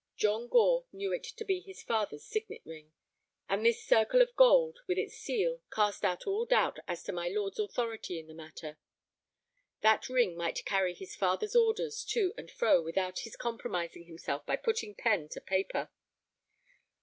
John Gore knew it to be his father's signet ring, and this circle of gold, with its seal, cast out all doubt as to my lord's authority in the matter. That ring might carry his father's orders to and fro without his compromising himself by putting pen to paper.